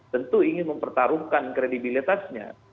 tentu ingin mempertarungkan kredibilitasnya